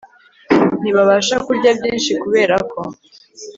ntibabasha kurya byinshi kubera ko